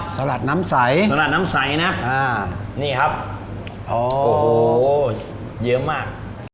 สลัดน้ำใสสลัดน้ำใสนะอ่านี่ครับโอ้โหเยอะมาก